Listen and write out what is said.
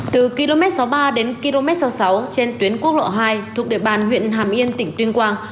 từ km sáu mươi ba đến km sáu mươi sáu trên tuyến quốc lộ hai thuộc địa bàn huyện hàm yên tỉnh tuyên quang